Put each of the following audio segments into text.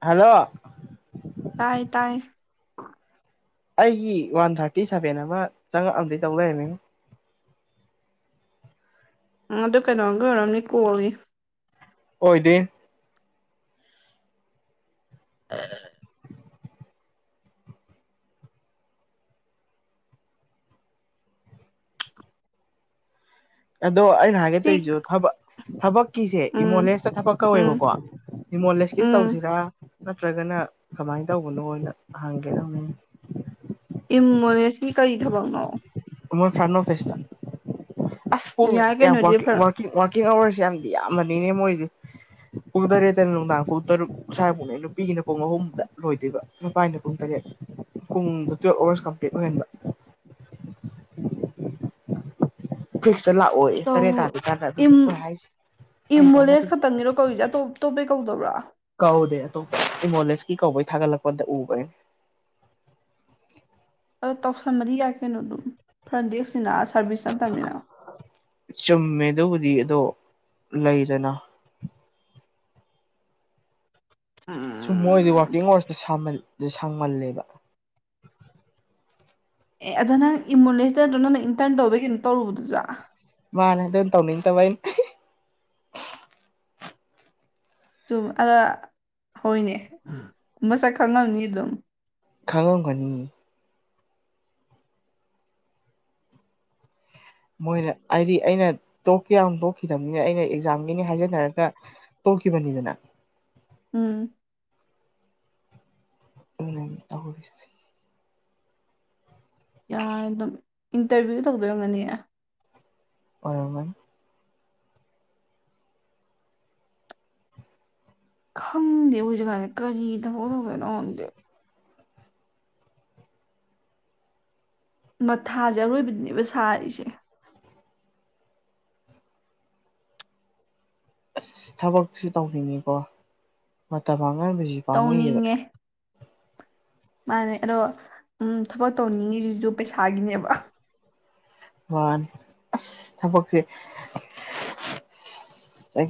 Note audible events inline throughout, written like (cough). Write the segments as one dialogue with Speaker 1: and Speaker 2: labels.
Speaker 1: hello
Speaker 2: ꯇꯥꯏ ꯇꯥꯏ
Speaker 1: ꯑꯩꯒꯤ ꯋꯥꯟ ꯊꯥꫪꯇꯤ ꯁꯚꯦꯟ ꯑꯃ ꯆꯪꯉꯛꯑꯝꯗꯩ ꯇꯧ ꯂꯩꯔꯝꯃꯦꯍꯦ
Speaker 2: ꯎꯝ ꯑꯗꯨ ꯀꯩꯅꯣꯒꯤ ꯑꯣꯏꯔꯝꯅꯤ ꯀꯣꯜꯒꯤ
Speaker 1: ꯑꯣꯏꯗꯦꯏꯅ (inaudible) ꯑꯗꯣ ꯑꯩꯅ
Speaker 2: ꯁꯤ
Speaker 1: ꯍꯥꯏꯒꯦꯇꯩꯁꯨ ꯊꯕꯛ ꯊꯕꯛ ꯀꯤꯁꯦ
Speaker 2: ꯎꯝ
Speaker 1: ꯏꯃꯣꯂꯦꯁꯇ ꯊꯕꯛ
Speaker 2: ꯎꯝ
Speaker 1: ꯀꯧꯋꯦꯕꯀꯣ ꯏꯃꯣꯂꯦꯁꯀꯤꯗ
Speaker 2: ꯎꯝ
Speaker 1: ꯇꯧꯁꯤꯔꯥ ꯅꯠꯇ꯭ꯔꯒꯅ ꯀꯃꯥꯏꯅ ꯇꯧꯕꯅꯣ ꯑꯅ ꯍꯪꯒꯦꯅ ꯇꯧꯔꯏ
Speaker 2: ꯏꯃꯣꯂꯦꯁꯀꯤ ꯀꯩ ꯊꯕꯛꯅꯣ
Speaker 1: ꯃꯣꯏ ꯐ꯭ꯔꯥꯟ ꯑꯣꯐꯤꯁꯇ ꯑꯁ ꯄꯨꯡ
Speaker 2: ꯌꯥꯏ
Speaker 1: ꯌꯥꯝ
Speaker 2: ꯀꯩꯅꯣꯗꯤ ꯐꯔ
Speaker 1: ꯋꯥꫪꯀꯤꯡ ꯋꯥꫪꯀꯤꯡ ꯑꯋꯥꫪꯁꯦ ꯌꯥꯝꯗꯤ ꯌꯥꯝꯕꯅꯤꯅꯦ ꯃꯣꯏꯗꯤ ꯄꯨꯡ ꯇꯔꯦꯠꯇꯩꯅ ꯅꯨꯡꯗꯥꯡ ꯄꯨꯡ ꯇꯔꯨꯛ ꯁ꯭ꯋꯥꯏꯐꯨꯛꯅꯦ ꯅꯨꯄꯤꯒꯤꯅ ꯄꯨꯡ ꯑꯍꯨꯝꯗ ꯂꯣꯏꯗꯣꯏꯕ ꯅꯨꯄꯥꯏꯅ ꯄꯨꯡ ꯇꯔꯦꯠ ꯄꯨꯡꯗꫭ ꯇ꯭ꯨꯋꯦꯚ ꯑꯥꯋꯥꫪꯁ ꯀꯝꯄ꯭ꯂꯤꯠ ꯑꫭꯏꯍꯟꯕ ꯇ ꯂꯥꯛꯑꯣ ꯌꯦ ꯇꯔꯦ ꯇꯥꯗ꯭ꯔꯤ ꯀꯥꯟꯗ ꯑꯗꯨꯅꯤ ꯃꯣꯏ ꯍꯥꯏꯁꯦ ꯑꯩ
Speaker 2: ꯑꯦꯝꯃꫭꯂꯦꯁ
Speaker 1: ꯆꯥꯟꯅꯔꯤ
Speaker 2: ꯈꯛꯇꯪꯒꯤꯔꯣ ꯀꯧꯏꯁꯦ ꯑꯇꯣꯞ ꯑꯇꯣꯞꯄꯩ ꯀꯧꯗꯕ꯭ꯔꯥ
Speaker 1: (unintelligible) ꯏꯃꫭꯂꯦꯁꯀꯤ ꯀꯧꯕꯩ ꯊꯒꯠꯂꯛꯄꯗ ꯎꯕ ꯑꯩ
Speaker 2: ꯑꯣ ꯇꯧꯁꯟꯃꯗꯤ ꯌꯥꯏ ꯀꯩꯅꯣ ꯑꯗꯨꯝ ꯐ꯭ꯔꯟꯗꯦꯛꯁ ꯅꯤꯅ
Speaker 1: ꯆꯨꯝꯃꯦ ꯗꯨꯕꯨꯗꯤ ꯑꯗꫭ ꯂꯩꯗꯅ ꯁꯨꯝ ꯃꯣꯏꯗꯤ
Speaker 2: ꯎꯝ
Speaker 1: ꯋꯥꯔꯀꯤꯡ ꯑꯋꯥꯔꯁꯇ ꯁꯥꯡꯃꯜꯂꯦꯕ
Speaker 2: ꯑꯦ ꯑꯗꯣ ꯅꯪ ꯏꯕꯨꯂꯦꯟꯁꯇ ꯅꯠꯇ꯭ꯔꯣ ꯅꯪꯅ ꯏꯟꯇꯔꯟ ꯇꯧꯕꯩ ꯀꯩꯅꯣ ꯇꯧꯔꯨꯕꯗꯨꯖꯥ
Speaker 1: ꯃꯥꯅꯦ ꯑꯗꯨꯝ ꯇꯧꯅꯤꯡꯗꯕ ꯑꯩꯅ
Speaker 2: ꯆꯨꯝ ꯑꯗ ꯍꯣꯏꯅꯦ ꯃꯁꯛ ꯈꯪꯉꯝꯅꯤ ꯑꯗꯨꯝ
Speaker 1: ꯈꯪꯪꯒꯅꯤ ꯃꯣꯏꯅ ꯍꯥꯏꯗꯤ ꯑꯩꯅ ꯇꯣꯛꯀ ꯌꯥꯝ ꯇꯣꯛꯈꯤꯗꯕꯅꯤꯅ ꯑꯩꯅ ꯑꯦꯛꯖꯥꯝꯒꯤꯅꯤ ꯍꯥꯏꯖꯟꯅꯔꯒ ꯕꯅꯤꯗꯅ
Speaker 2: ꯎꯝ
Speaker 1: ꯎꯝ
Speaker 2: ꯌꯥ ꯑꯗꯨꯝ ꯏꯟꯇꯔꯚꯤꯌꯨ ꯇꯧꯗꯣꯏꯔꯝꯃꯅꯤ ꯑꯦ
Speaker 1: ꯑꯣꯏꯔꯃꯥꯟ
Speaker 2: ꯈꯪꯗꯦ ꯍꯧꯖꯤꯛ ꯀꯥꯟꯗ ꯀꯔꯤ ꯊꯐꯗꯧ ꯀꯅꯣꯟꯗꯦ ꯃꯊꯥꯁꯦ ꯑꯔꯣꯏꯕꯗꯨꯅꯦꯕ ꯁꯥꯔꯤꯁꯦ
Speaker 1: ꯑꯁ ꯊꯕꯛꯁꯨ ꯇꯧꯅꯤꯡꯉꯤꯀꯣ ꯃꯇꯝ ꯃꯥꯡꯍꯟꯕꯁꯤ ꯄꯥꯝꯃꯣꯏꯌꯦꯕ
Speaker 2: ꯇꯧꯅꯤꯡꯉꯦ ꯃꯥꯅꯦ ꯑꯗꯣ ꯎꯝ ꯊꯕꯛ ꯇꯧꯅꯤꯡꯉꯤꯁꯤꯁꯨ ꯄꯩꯁꯥꯒꯤꯅꯦꯕ
Speaker 1: ꯋꯥꯟ ꯑꯁ ꯊꯕꯛꯁꯦ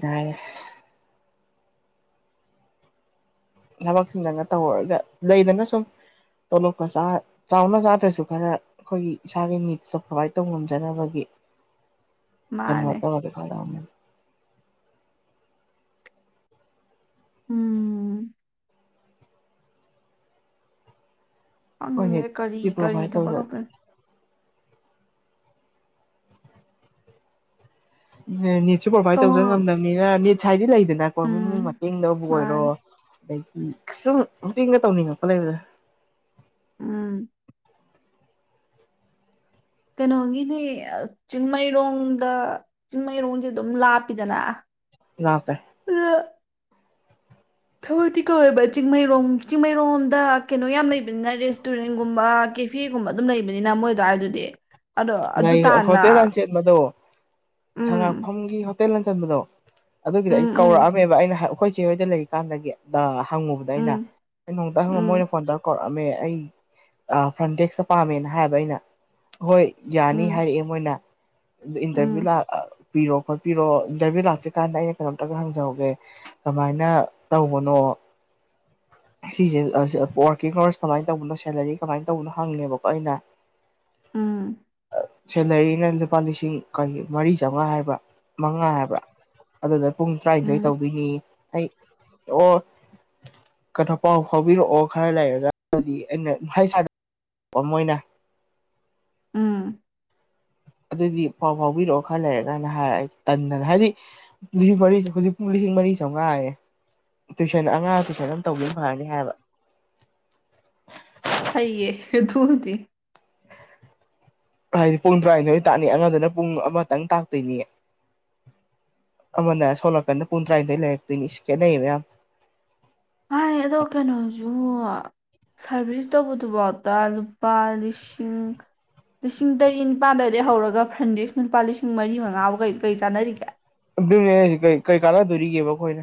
Speaker 1: ꯀꯉꯦ (inaudible) ꯊꯕꯛ ꯁꯨꯗꯅ ꯇꯧꯍꯧꯔꯒ ꯂꯩꯗꯅ ꯁꯨꯝ ꯇꯣꯂꯣꯞꯄ ꯆꯥꯎꯅ ꯆꯥꯗ꯭ꯔꯁꯨ ꯈꯔ ꯑꯩꯈꯣꯏꯒꯤ ꯏꯁꯥꯒꯤ ꯅꯤꯠꯁ ꯄ꯭ꯔꯣꯚꯥꯏꯠ ꯇꯧꯕ ꯉꯝꯖꯅꯕꯒꯤ
Speaker 2: ꯃꯥꯅꯦ
Speaker 1: ꯍꯩꯅꯗ ꯐꯗ
Speaker 2: ꯎꯝ ꯑꯪ
Speaker 1: ꯍꯣꯏꯅꯦ
Speaker 2: ꯀꯔꯤ
Speaker 1: ꯁꯤ
Speaker 2: ꯀꯔꯤ
Speaker 1: ꯄ꯭ꯔꯣꯚꯥꯏꯠ
Speaker 2: ꯈꯄ
Speaker 1: ꯇꯧꯖ
Speaker 2: ꯅꯦ
Speaker 1: ꯅꯤꯠꯁꯨ ꯄ꯭ꯔꯣꯚꯥꯏꯠ
Speaker 2: ꯀꯣ
Speaker 1: ꯇꯧꯖ ꯉꯝꯗꯕꯅꯤꯅ ꯅꯤꯠꯁ ꯍꯥꯏꯗꯤ ꯂꯩ
Speaker 2: ꯎꯝ
Speaker 1: ꯅꯥꯀꯣꯃꯤꯃꯨꯡ ꯃꯇꯦꯡꯗꯕꯨ ꯑꯣꯏꯔꯣ
Speaker 2: ꯃꯥꯅꯦ
Speaker 1: ꯑꯗꯒꯤ ꯁꯨꯝ ꯃꯇꯤꯡꯒ ꯇꯧꯅꯤꯡꯉꯛꯄ ꯂꯩꯕꯗ
Speaker 2: ꯎꯝ ꯀꯩꯅꯣꯒꯤꯅꯦ ꯆꯤꯡꯃꯩꯔꯣꯡꯗ ꯆꯤꯡꯃꯩꯔꯣꯡꯁꯦ ꯑꯗꯨꯝ ꯂꯥꯞꯄꯤꯗꯅ ꯑ
Speaker 1: ꯂꯥꯛꯇꯦ
Speaker 2: ꯊꯕꯛꯇꯤ ꯀꯧꯕ ꯆꯤꯡꯃꯩꯔꯣꯡ ꯆꯤꯡꯃꯩꯔꯣꯡꯣꯝꯗ ꯀꯩꯅꯣ ꯌꯥꯝ ꯂꯩꯕꯅꯤꯅ ꯔꯦꯁꯇꯨꯔꯦꯟꯒꯨꯝꯕ ꯀꯦꯐꯤꯒꯨꯝꯕ ꯑꯗꯨꯝ ꯂꯩꯕꯅꯤꯅ ꯃꯣꯏꯗꯣ ꯍꯥꯏꯗꯨꯗꯤ
Speaker 1: ꯉ ꯍꯣꯇꯦꯜ ꯂꯥꯟꯆꯠꯕꯗꯣ
Speaker 2: ꯎꯝ
Speaker 1: ꯁꯉꯥꯛꯐꯝꯒꯤ ꯍꯣꯇꯦꯜ ꯂ ꯟꯕꯗꯣ ꯑꯗꯨꯒꯤꯗꯣ ꯑꯩ
Speaker 2: ꯎꯝ ꯎꯝ
Speaker 1: ꯀꯧꯔꯛꯑꯝꯃꯦꯕ ꯑꯩꯅ ꯑꯩꯈꯣꯏ ꯆꯦ ꯍꯣꯏꯗ ꯂꯩꯔꯤꯀꯥꯟꯗꯒꯤ ꯑ ꯍꯪꯉꯨꯕꯗ ꯑꯩꯅ
Speaker 2: ꯎꯝ
Speaker 1: ꯅꯩꯅꯣꯡꯨꯇꯪ ꯍꯪꯉꯕ ꯃꯣꯏ
Speaker 2: ꯎꯝ
Speaker 1: ꯐꯣꯟ ꯇꯧꯔꯛꯀꯣꯣ ꯄꯥꯝꯃꯦ ꯑꯩ ꯐ꯭ꯔꯟꯗꯦꯛꯁꯇ ꯄꯥꯝꯃꯦꯅ ꯍꯥꯏꯕ ꯑꯩꯅ ꯍꯣꯏ ꯌꯥꯅꯤ
Speaker 2: ꯎꯝ
Speaker 1: ꯍꯥꯏꯔꯛꯑꯦ ꯃꯣꯏꯅ ꯏꯟꯇꯔꯚ꯭ꯌꯨ
Speaker 2: ꯎꯝ
Speaker 1: ꯂ ꯄꯄꯤꯔꯣ ꯈꯣꯠꯄꯤꯔꯣ ꯏꯟꯇꯔꯚꯤꯌꯨ ꯂꯥꯛꯇ꯭ꯔꯤꯀꯥꯟꯗ ꯑꯩꯅ ꯀꯩꯅꯣꯝꯇꯒ ꯍꯪꯖꯍꯧꯒꯦ ꯀꯃꯥꯏꯅ ꯇꯧꯕꯅꯣ (inaudible) ꯁꯤꯁꯦ ꯋꯥꯔꯀꯤꯡ ꯀꯔꯁ ꯀꯃꯥꯏꯅ ꯇꯧꯕꯅꯣ ꯁꯦꯂꯔꯤ ꯀꯃꯥꯏꯅ ꯇꯧꯕꯅꯣ ꯍꯪꯉꯦꯕꯀꯣ ꯑꯩꯅ
Speaker 2: ꯎꯝ
Speaker 1: ꯁꯦꯂꯔꯤꯅ ꯂꯨꯄꯥ ꯂꯤꯁꯤꯡ ꯃꯔꯤ ꯆꯥꯝꯃꯉꯥ ꯍꯥꯏꯕ ꯃꯉꯥ ꯍꯥꯏꯕ ꯑꯗꯨꯗ ꯄꯨꯡ ꯇꯔꯥꯅꯤꯊꯣꯏ
Speaker 2: ꯎꯝ
Speaker 1: ꯇꯧꯗꯣꯏꯅꯤ ꯑꯩ ꯑꯣ ꯀꯊꯣ ꯄꯥꯎ ꯐꯥꯎꯕꯤꯔꯛꯑꯣ ꯈꯔ ꯂꯩꯔꯗꯤ ꯑꯩꯅ ꯑꯣꯃꯣꯏꯅꯥ
Speaker 2: ꯎꯝ
Speaker 1: (inaudible) ꯑꯗꯨꯏꯗꯤ ꯄꯥꯎ ꯐꯥꯎꯕꯤꯔꯛꯑꯣ ꯈꯔ ꯂꯩꯔ ꯀꯥꯏꯅ ꯍꯥꯏꯔ ꯑꯩ ꯇꯟꯗꯅ ꯍꯥꯏꯗꯤ ꯂꯤꯁꯤꯡ ꯃꯔꯤꯁꯦ ꯍꯧꯖꯤꯛ ꯄ ꯂꯤꯁꯤꯡ ꯃꯔꯤ ꯁ ꯉꯥꯏꯔꯦ ꯇꯨꯏꯁꯟ ꯑꯉꯥꯡ ꯇꯨꯏꯁꯟ ꯑꯗꯨ ꯇꯧꯕꯒ ꯐꯔꯅꯤ ꯍꯥꯏꯕ
Speaker 2: ꯑꯏꯌꯦ ꯊꯗꯤ
Speaker 1: ꯍꯥꯏꯗꯤ ꯄꯨꯡ ꯇꯔꯥꯅꯤꯊꯣꯏ ꯇꯥꯛꯅꯤ ꯑꯉꯗꯅ ꯄꯨꯡ ꯑꯃꯇꯪ ꯇꯥꯛꯇꯣꯏꯅꯤ ꯑꯃꯅ ꯁꯣꯂꯛꯀꯥꯟꯗ ꯄꯨꯡ ꯇꯔꯥꯅꯤꯗꯣꯏ ꯂꯩꯔꯛꯇꯣꯏꯅꯤ ꯁꯤ ꯈꯦꯠꯅꯩꯌꯦ ꯃꯌꯥꯝ
Speaker 2: ꯍ ꯑꯦꯗꯣ ꯀꯅꯣ ꯑꯣ ꯁꯥꯔꯚꯤꯁ ꯇꯧꯕꯗꯨꯐꯥꯎꯗ ꯂꯨꯄꯥ ꯂꯤꯁꯤꯡ ꯂꯤꯁꯤꯡ ꯇꯔꯦꯠ ꯅꯤꯄꯥꯜꯗꯗꯒꯤ ꯍꯧꯔꯒ ꯐ꯭ꯔꯟꯗꯤꯛꯁ ꯂꯨꯄꯥ ꯂꯤꯁꯤꯡ ꯃꯔꯤ ꯃꯉꯥꯕꯨ ꯀꯩ ꯀꯔꯤ ꯆꯥꯟꯅꯔꯤꯒꯦ
Speaker 1: ꯑꯗꯨꯅꯦ ꯀ ꯀꯩ ꯀꯥꯅꯗꯣꯔꯤꯒꯦꯕ ꯑꯩꯈꯣꯏꯅ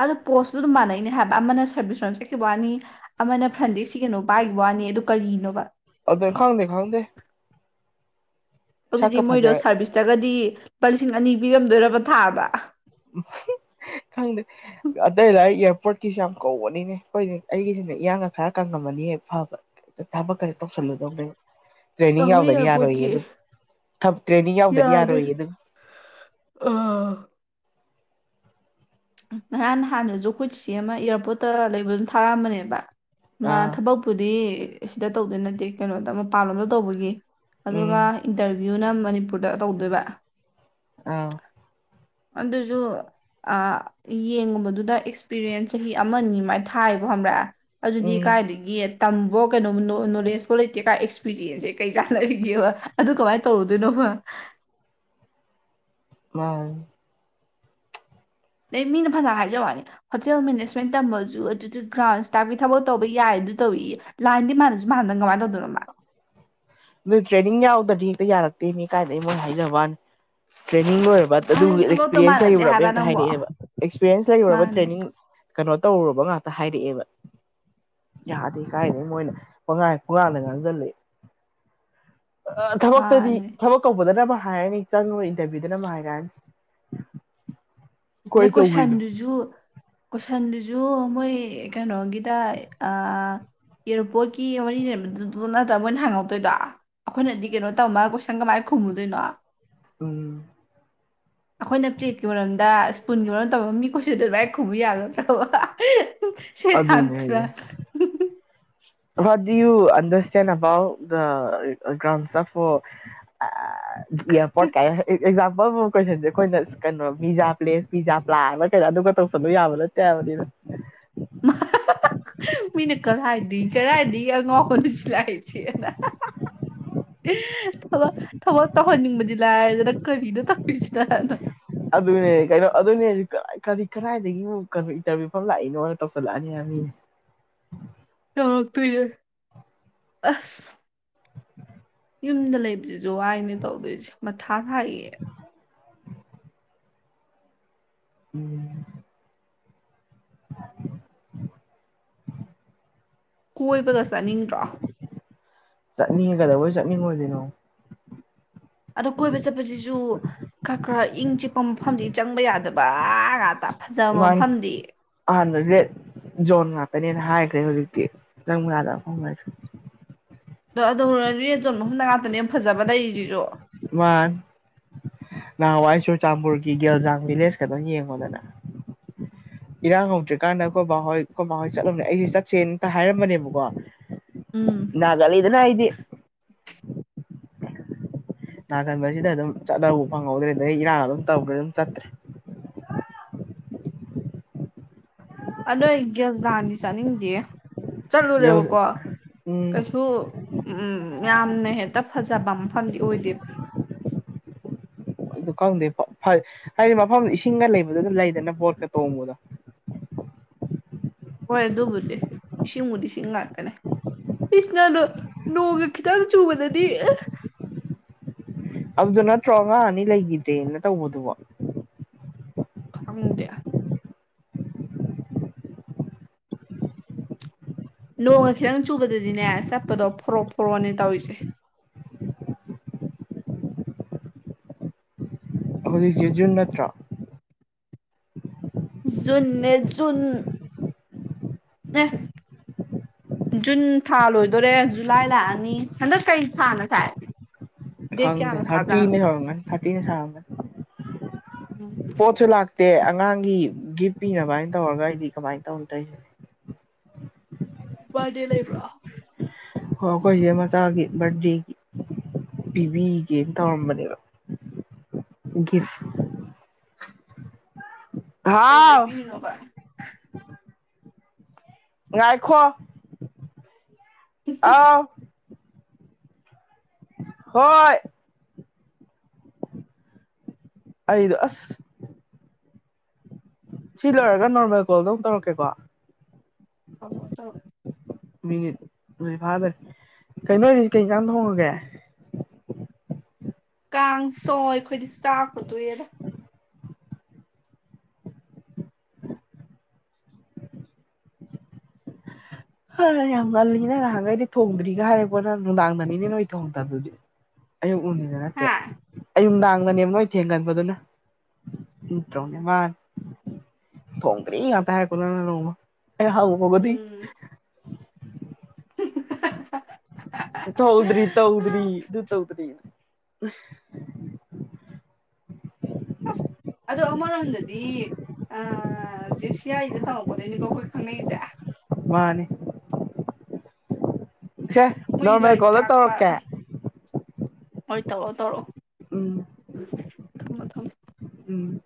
Speaker 2: ꯑꯗꯨꯗꯣ ꯄꯣꯁꯇꯨ ꯑꯗꯨꯝ ꯃꯥꯟꯅꯩꯅꯦ ꯍꯥꯏꯕ ꯑꯃꯅ ꯁꯥꯔꯚꯤꯁꯔꯣꯝ ꯆꯠꯈꯤꯕ ꯋꯥꯅꯤ ꯑꯃꯅ ꯐ꯭ꯔꯟꯗ ꯁꯤꯒꯅꯨ ꯄꯥꯏꯈꯤꯕ ꯋꯥꯅꯤ ꯅꯤ ꯑꯗꯨ ꯀꯔꯤꯅꯣꯕ
Speaker 1: ꯑꯗꯨ ꯈꯪꯗꯦ ꯈꯪꯗꯦ
Speaker 2: ꯍꯧꯖꯤꯛꯇꯤ
Speaker 1: ꯁꯛꯀ
Speaker 2: ꯃꯣꯏꯗꯣ
Speaker 1: ꯐꯖ
Speaker 2: ꯁꯥꯔꯚꯤꯁꯇꯒꯗꯤ ꯂꯨꯄꯥ ꯂꯤꯁꯤꯡ ꯑꯅꯤ ꯄꯤꯔꯝꯗꯣꯏꯔꯕ ꯊꯥꯕ
Speaker 1: ꯈꯪꯗꯦ ꯑꯗ ꯂ ꯏꯁꯄꯣꯔꯠꯀꯤꯁꯨ ꯌꯥꯝ ꯀꯧꯕꯅꯤꯅꯦ ꯑꯩꯈꯣꯏꯗꯤ ꯑꯩꯒꯤꯁꯤꯅ ꯏꯌꯥꯡꯒ ꯈꯔ ꯀꯪꯉꯝꯃꯅꯤ ꯐꯕ ꯊꯕꯛꯀ ꯇꯧꯁꯜꯂꯨꯗꯧꯅꯦ ꯇ꯭ꯔꯦꯅꯤꯡ
Speaker 2: ꯀꯛꯋꯦ
Speaker 1: ꯌꯥꯎꯗꯗꯤ ꯌꯥꯔꯣꯏꯌꯦ
Speaker 2: ꯏꯌꯥꯔꯄꯣꯔꯠꯀꯤ
Speaker 1: ꯑꯗꯨ ꯇ꯭ꯔꯦꯅꯤꯡ ꯌꯥꯎꯗꯗꯤ
Speaker 2: ꯌꯥꯗꯦ
Speaker 1: ꯌꯥꯔꯣꯏꯌꯦ ꯑꯗꯨ (inaudible)
Speaker 2: ꯑ ꯅꯍꯥꯟ ꯅꯍꯥꯟꯗꯁꯨ ꯑꯩꯈꯣꯏꯠꯁꯤ ꯑꯃ ꯏꯌꯥꯔꯄꯣꯔꯠꯇ ꯂꯩꯕ ꯑꯗꯨꯝ ꯊꯥꯔꯛꯑꯝꯕꯅꯦꯕ ꯃꯥ
Speaker 1: ꯑꯥ
Speaker 2: ꯊꯕꯛꯛꯇꯨꯗꯤ ꯁꯤꯗ ꯇꯧꯗꯤ ꯅꯠꯇꯦ ꯀꯩꯅꯣꯗ ꯃꯄꯥꯟꯂꯣꯝꯗ ꯇꯧꯕꯒꯤ ꯑꯗꯨꯒ
Speaker 1: ꯎꯝ
Speaker 2: ꯏꯟꯇꯔꯚꯤꯌꯨꯅ ꯃꯅꯤꯄꯨꯔꯗ ꯇꯧꯗꯣꯏꯕ
Speaker 1: ꯑꯥ
Speaker 2: ꯑꯗꯁꯨ ꯑ ꯌꯦꯡꯒꯨꯝꯕꯗꯨꯗ ꯑꯦꯛꯁꯄꯤꯔꯤꯌꯦꯟꯁ ꯆꯍꯤ ꯑꯃꯅꯤ ꯑ ꯃꯥꯏ ꯊꯥꯏꯕꯣ ꯈꯪꯛꯑꯦ ꯑꯗꯨꯗꯤ
Speaker 1: ꯎꯝ
Speaker 2: ꯀꯥꯏꯏꯗꯒꯤ ꯇꯝꯕ ꯀꯩꯅꯣ ꯅꯣꯂꯦꯖꯐꯣ ꯂꯩꯇꯦ ꯀꯥꯏ ꯑꯦꯛꯁꯄꯤꯔꯤꯌꯦꯟꯁꯁꯦ ꯀꯩ ꯆꯥꯟꯅꯔꯤꯒꯦꯕ ꯑꯗꯨ ꯀꯃꯥꯏꯅ ꯇꯧꯔꯨꯗꯣꯏꯅꯣꯕ (unintelligible)
Speaker 1: ꯎ
Speaker 2: ꯑꯗꯩ ꯃꯤꯅ ꯐꯖꯅ ꯍꯥꯏꯖꯕꯅꯤ ꯍꯣꯇꯦꯜ ꯃꯦꯅꯦꯖꯃꯦꯟ ꯇꯝꯕꯁꯨ ꯑꯗꯨꯗ ꯒ꯭ꯔꯥꯎꯟꯁꯇꯥꯏꯞꯀꯤ ꯊꯕꯛ ꯇꯧꯕ ꯌꯥꯏ ꯑꯗꯨ ꯇꯧꯏ ꯂꯥꯏꯟꯗꯤ ꯃꯥꯥꯟꯅꯁꯨ ꯃꯥꯟꯅꯗꯅ ꯀꯃꯥꯏ ꯇꯧ
Speaker 1: ꯑꯗꯨ ꯇ꯭ꯔꯦꯅꯤꯡ ꯌꯥꯎꯗꯗꯤ ꯀꯌꯥꯔ ꯃꯤ ꯀꯥꯏ ꯂꯩ ꯃ ꯍꯥꯏꯖ ꯇ꯭ꯔ ꯇꯅꯤꯡ ꯂꯣꯏꯔꯕ
Speaker 2: ꯃꯥꯅ
Speaker 1: ꯑꯗꯨꯒꯤ
Speaker 2: ꯊꯕꯛꯇꯣ
Speaker 1: ꯑꯦꯛꯁꯄꯤꯔꯌꯦꯦꯟꯁ
Speaker 2: ꯃꯥꯟꯅꯗꯦ
Speaker 1: ꯂꯩꯔꯨꯔꯕ
Speaker 2: ꯍꯥꯏꯕ
Speaker 1: ꯍꯦꯛꯇ
Speaker 2: ꯅꯪꯕꯣ
Speaker 1: ꯍꯥꯏꯅꯤꯡꯛꯑꯦꯕ ꯑꯦꯛꯁꯄꯤꯔꯌꯦꯦꯟꯁ ꯂꯩꯔꯨꯔꯕ
Speaker 2: ꯃꯥꯅꯦ
Speaker 1: ꯇ꯭ꯔꯦꯅꯤꯡ ꯀꯩꯅꯣ ꯇꯧꯔꯨꯔꯕ ꯉꯥꯛꯇ ꯍꯥꯏꯔꯛꯑꯦꯕ ꯌꯥꯗꯦ ꯀꯥꯏꯗꯩ ꯃꯣꯏꯅ ꯄꯉ ꯜꯂꯤ ꯊꯕꯛꯇꯗꯤ
Speaker 2: ꯃꯥꯅꯦ
Speaker 1: ꯊꯕꯛ ꯀꯧꯕꯗꯅꯕ ꯍꯥꯏꯔꯅꯤ ꯆꯪ ꯏꯟꯊꯕꯤꯗꯅ ꯍꯥꯏꯔꯅꯤ
Speaker 2: ꯅꯗꯩ ꯀꯣꯏꯁꯟꯗꯨꯁꯨ ꯀꯣꯏꯁꯟꯗꯨꯁꯨ ꯃꯣꯏ ꯀꯩꯅꯣꯒꯤꯗ ꯑꯦꯔꯣꯄꯣꯠꯀꯤ ꯃ ꯂꯩꯝꯕꯗꯨꯗꯣ ꯅꯠꯇ꯭ꯔꯒ ꯃꯣꯏꯅ ꯍꯥꯡꯉꯧꯛꯇꯣꯏꯗꯣ ꯑꯩꯈꯣꯏꯅꯗꯤ ꯀꯩꯅꯣ ꯇꯝꯃ ꯀꯣꯏꯁꯟ ꯀꯃꯥꯏꯧ ꯈꯨꯝꯃꯗꯅ
Speaker 1: ꯇꯝ
Speaker 2: ꯑꯩꯈꯣꯏꯅ ꯄꯠꯀꯤ ꯃꯔꯝꯗ ꯁ꯭ꯄꯨꯟꯒꯤ ꯃꯔꯝ ꯇꯕ ꯃꯤꯈꯣꯏꯁꯨ ꯑꯗꯨ ꯂꯥꯏꯛ ꯈꯨꯕ ꯌꯥꯒꯗ꯭ꯔꯕ ꯁ
Speaker 1: ꯑꯗꯨꯅꯦ
Speaker 2: ꯍꯊꯨꯔꯥ
Speaker 1: ꯍꯥꯏꯁꯦ ꯋꯥꯠ ꯌꯨ ꯑꯟꯗꯔꯁꯇꯦꯟ ꯑꯕꯥꯎꯠ ꯗ꯭ꯔꯥꯎꯟ ꯏꯔ ꯄꯠ ꯀꯥꯏ ꯑꯦꯛꯖꯥꯝꯄꯜ ꯑꯃ ꯀꯣꯏꯁꯟꯁꯦ ꯑꯩꯈꯣꯏꯅ ꯀꯩꯅꯣ ꯄꯖꯥ ꯄ꯭ꯂꯦꯁ ꯄꯤꯖꯥ ꯄ꯭ꯂꯥ ꯑꯃ ꯀꯩꯔ ꯑꯗꯨꯒ ꯇꯧꯁꯜꯂꯕ ꯌꯥꯕ ꯅꯠꯇꯦꯕ (unintelligible)
Speaker 2: ꯃꯤꯅ ꯀꯔꯥꯏꯗꯤ ꯀꯔꯥꯏꯗꯒꯤ ꯑꯉꯈꯣꯟꯗ ꯁꯤꯂꯥꯛꯏꯁꯦꯅ ꯑꯦ ꯊꯕ ꯊꯕꯛ ꯇꯧꯍꯟꯅꯤꯡꯕꯗꯤ ꯂꯥꯏꯔꯗꯅ ꯀꯔꯤꯗ ꯇꯧꯔꯤꯁꯤꯅꯅꯣ
Speaker 1: ꯑꯗꯨꯅꯦ ꯀꯩꯅꯣ ꯑꯗꯨꯅꯦ ꯀꯔꯤ ꯀꯗꯥꯏꯗꯒꯤ ꯀꯩꯅꯣ ꯏꯟꯇꯔꯚꯤꯌꯨ ꯐ ꯂꯥꯛꯏꯅꯣꯅ ꯇꯧꯁꯤꯜꯂꯛꯑꯅꯤ ꯍꯥꯏꯅ ꯑ
Speaker 2: ꯑ ꯇꯏ ꯑꯁ ꯌꯨꯝꯗ ꯂꯩꯕꯁꯤꯁꯨ ꯋꯥꯏꯅꯦ ꯇꯧꯗꯣꯏꯁꯦ ꯃꯊꯥ ꯁꯥꯏꯌꯦ
Speaker 1: ꯎꯝ
Speaker 2: ꯀꯣꯏꯕꯒ ꯆꯥꯅꯤꯡꯗ꯭ꯔꯥ
Speaker 1: ꯆꯠꯅꯤꯡꯉꯒꯗꯧꯕꯣꯏ ꯆꯠꯅꯤꯡꯉꯣꯏꯗꯅꯣ
Speaker 2: ꯑꯗꯣ ꯀꯣꯏꯕ ꯆꯠꯄꯁꯤꯁꯨ ꯈꯔ ꯈꯔ ꯏꯪ ꯆꯤꯛꯄ ꯃꯐꯝꯗꯤ ꯆꯪꯕ ꯌꯥꯗꯕ ꯀꯥ ꯇ ꯐꯖ ꯃ ꯐꯝꯗꯤ
Speaker 1: ꯔꯦꯗ ꯖꯣꯟ ꯉꯥꯛꯀꯅꯦꯅ ꯍꯥꯏꯈ꯭ꯔꯦ ꯍꯧꯖꯤꯛꯇꯤ ꯆꯪꯕ ꯌꯥꯗ ꯐꯐꯝꯁꯦ
Speaker 2: ꯑꯗꯣ ꯑꯗꯨ ꯔꯖꯣꯟ ꯃꯐꯝꯗ ꯉꯥꯛꯇꯅꯦ ꯌꯥꯝ ꯐꯖꯕ ꯂꯩꯔꯤꯁꯤꯁꯨ
Speaker 1: ꯋꯥ ꯅꯍꯥꯟꯋꯥꯏ ꯆꯨꯔꯆꯥꯟꯄꯨꯔꯒꯤ ꯒꯦꯜꯖꯥꯡ ꯚꯤꯂꯦꯖ ꯈꯛꯇꯪ ꯌꯦꯡꯉꯣꯗꯅ ꯏꯔꯥꯡ ꯍꯧꯗ꯭ꯔꯤꯀꯥꯟꯗ ꯑꯩꯣ ꯕꯥꯍꯣꯏ ꯀꯣꯏ ꯕꯥꯍꯣꯏ ꯆꯠꯂꯝꯣꯅꯦ ꯑꯩꯁꯦ ꯆꯠꯁꯦꯅꯇ ꯍꯥꯏꯔꯝꯕꯅꯦꯕꯀꯣ
Speaker 2: ꯎꯝ
Speaker 1: ꯒꯥ ꯂꯩꯗꯅ ꯍꯥꯏꯗꯤ ꯅꯥꯀꯟꯕꯁꯤꯗ ꯑꯗꯨꯝ ꯆꯠꯕꯨ ꯐꯪꯍꯧꯗ꯭ꯔꯦ ꯑꯩ ꯏꯔꯥꯡ ꯑꯗꯨꯝ ꯇꯧꯈ꯭ꯔꯦ ꯑꯗꯨꯝ ꯆꯠꯇ꯭ꯔꯦ
Speaker 2: ꯑ ꯅꯣꯏ ꯒ꯭ꯌꯥꯖꯥꯟꯗꯤ ꯆꯥꯅꯤꯡꯗꯦ ꯆꯠꯂꯨꯔꯦꯕꯀꯣ
Speaker 1: ꯎꯝ
Speaker 2: ꯀꯩꯁꯨ ꯎꯝꯝ ꯌꯥꯝꯅ ꯍꯦꯛꯇ ꯐꯖꯕ ꯃꯐꯝꯗꯤ ꯑꯣꯏꯗꯦꯕ
Speaker 1: ꯑꯗꯨ ꯈꯪꯗꯦ ꯐ ꯍꯥꯏꯗꯤ ꯃꯐꯝꯗ ꯏꯁꯤꯡꯒ ꯂꯩꯕꯗꯨ ꯑꯗꯨ ꯂꯩꯗꯅ ꯕꯣꯠꯀ ꯇꯣꯡꯕꯗꯣ (unintelligible)
Speaker 2: ꯍꯣꯏ ꯑꯗꯨꯕꯨꯗꯤ ꯏꯁꯤꯡꯕꯨꯨꯗꯤꯁꯤꯡ ꯉꯥꯛꯇꯅꯦ ꯏꯁꯅꯅ ꯅꯣꯡꯒ ꯈꯤꯇꯪ ꯆꯨꯕꯗꯅꯤ
Speaker 1: ꯑꯗꯨꯗ ꯅꯠꯇ꯭ꯔꯣ ꯑꯉꯥꯡ ꯑꯅꯤ ꯂꯩꯈꯤꯗ꯭ꯔꯦꯅ ꯇꯧꯕꯗꯨꯕ
Speaker 2: ꯈꯝꯗꯌꯥ ꯅꯣꯡꯒ ꯈꯤꯇꯪ ꯆꯨꯕꯗꯗꯤꯅꯦ ꯆꯠꯄꯗꯣ ꯐꯣꯔꯛ ꯐꯣꯔꯛꯑꯣꯅꯦ ꯇꯧꯔꯤꯁꯦ
Speaker 1: ꯍꯣꯂꯤꯖꯦꯖꯨꯟ ꯅꯠꯇ꯭ꯔꯥ
Speaker 2: ꯖꯨꯟꯅꯖꯟ ꯑ (unintelligible) (inaudible) ꯖꯨꯟ ꯊꯥ ꯂꯣꯏꯗꯣꯔꯦ ꯖꯨꯂꯥꯏ ꯂꯥꯛꯑꯅꯤ ꯍꯟꯗꯛ ꯀꯩ ꯊꯥꯅ ꯁꯥꯏ ꯗꯦꯠ
Speaker 1: ꯈꯪꯗ
Speaker 2: ꯀꯌꯥꯅ ꯁꯥꯕꯖꯥꯠꯅꯣ
Speaker 1: ꯊꯥꯔꯇ ꯊꯔꯇ ꯁ ꯄꯣꯆ ꯂꯥꯛꯇ ꯑꯉꯥꯡꯒꯤ ꯒꯤꯐ ꯄꯤꯅꯕ ꯍꯥꯏꯅ ꯇꯧꯔꯒ ꯑꯩꯗꯤ ꯀꯃꯥꯏꯅ ꯇꯧꯅ ꯇꯧꯁꯦ
Speaker 2: ꯕꯥꯔꯗꯦ ꯂꯩꯕ꯭ꯔꯣ
Speaker 1: ꯍ ꯑꯩꯈꯣꯏꯁꯦ ꯃꯆꯥꯒꯤ ꯕꯔꯗꯦꯒꯤ ꯄꯤꯕꯤꯒꯦꯅ ꯇꯧꯔꯝꯕꯅꯦꯕ ꯒꯤꯐ
Speaker 2: ꯑ
Speaker 1: ꯍꯥꯎ
Speaker 2: ꯂꯩꯕꯤ ꯍꯕꯥꯏ
Speaker 1: ꯉꯥꯏꯈꯣ ꯑꯥ (unintelligible) (inaudible) ꯍꯣꯏ ꯑꯩꯗ ꯑꯁ ꯁꯤ ꯂꯣꯏꯔꯒ ꯅꯣꯔꯃꯦꯜ ꯀꯣꯜꯗ ꯑꯃꯝ ꯇꯧꯔꯛꯀꯦꯀꯣ ꯃꯤꯅꯤꯠ ꯑꯗꯨꯏ ꯐꯥꯗ꯭ꯔꯦ ꯀꯩꯅꯣꯔꯤꯁꯤ ꯀꯩꯀꯥꯟ ꯊꯣꯡꯉꯒꯦ
Speaker 2: ꯀꯥꯡ ꯁꯣꯏ ꯑꯩꯈꯣꯏꯗꯤ ꯆꯥꯛꯀꯗꯣꯏꯑꯗ
Speaker 1: ꯍ ꯌꯥꯝ ꯉꯜꯂꯤꯅꯦ ꯅꯍꯥꯟꯒꯩꯗꯤ ꯊꯣꯡꯗ꯭ꯔꯤꯒ ꯍꯥꯏꯔꯦꯀꯣꯅ ꯅꯨꯡꯗꯥꯡꯗꯅꯤꯅꯦ ꯅꯣꯏ ꯊꯣꯡꯗꯕꯗꯨꯗꯤ ꯑꯌꯨꯛ ꯅꯨꯡꯅꯤꯗ ꯅꯠꯇꯦ
Speaker 2: ꯍꯥ
Speaker 1: ꯑꯌꯨꯨꯝꯗꯥꯡꯗꯅꯦꯕ ꯅꯣꯏ ꯊꯦꯡꯒꯟꯕꯗꯨꯅ ꯏꯠꯇꯦ ꯃꯥ ꯐꯕ꯭ꯔꯦ ꯉ ꯇꯔ ꯀꯃ ꯑꯦ ꯍꯥꯎꯉ ꯃꯒꯗꯤ
Speaker 2: ꯎꯝ
Speaker 1: ꯇꯧꯗ꯭ꯔꯤ ꯇꯧꯗ꯭ꯔꯤ ꯑꯗꯨ ꯇꯧꯗ꯭ꯔꯤ (unintelligible) (inaudible)
Speaker 2: ꯑꯁ ꯑꯃꯔꯣꯝꯗꯗꯤ ꯑ ꯁꯤꯌꯥꯥꯏꯗ ꯇꯝꯃꯛꯄꯗꯩꯅꯤꯀꯣ ꯑꯩꯈꯣꯏ ꯈꯪꯅꯩꯁꯦ
Speaker 1: ꯃꯥꯅꯤ ꯁꯦ
Speaker 2: ꯃꯣꯏꯒꯤ
Speaker 1: ꯅꯣꯔꯃꯦꯜ
Speaker 2: ꯂꯥꯏꯔꯤꯛ
Speaker 1: ꯀꯣꯜꯗ
Speaker 2: ꯇꯥꯛꯄ
Speaker 1: ꯇꯧꯔꯛꯀꯦ
Speaker 2: ꯍꯣꯏ ꯇꯧꯔꯣ ꯇꯧꯔꯣ
Speaker 1: ꯎꯝ (unintelligible) (inaudible)
Speaker 2: ꯊꯃꯣ ꯊꯝꯝꯕ
Speaker 1: ꯎꯝ